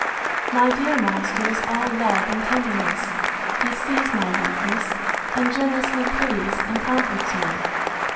My dear master is all love and tenderness. He sees my weakness, and generously pities and comforts me!